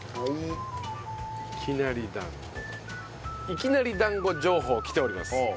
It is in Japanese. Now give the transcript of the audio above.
いきなり団子情報来ております。